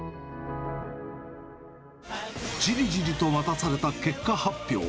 じりじりと待たされた結果発表。